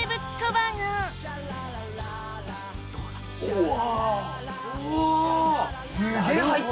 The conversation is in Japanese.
うわ！